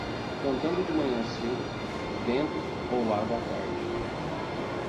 Cantando de manhã cedo, vento ou água à tarde.